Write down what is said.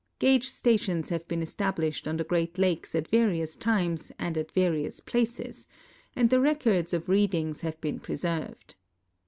Gage sta tions have been establisht on the Great Lakes at various times and at various places, and the records of readings have been pre served.